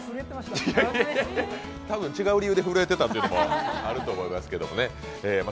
たぶん違う理由で震えていたというのもあると思いますけどね。